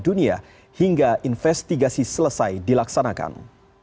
sehingga investigasi selesai dilaksanakan